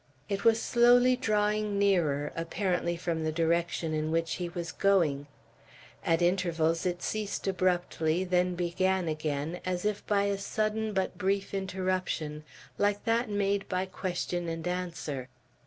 It was slowly drawing nearer, apparently from the direction in which he was going. At intervals it ceased abruptly, then began again; as if by a sudden but brief interruption, like that made by question and answer.